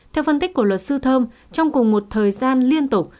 theo phân tích của luật sư thơm trong cùng một thời gian liên tục